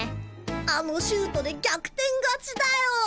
あのシュートで逆転勝ちだよ。